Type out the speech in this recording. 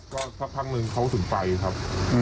ก็สักพักนึงเขาถึงไปครับ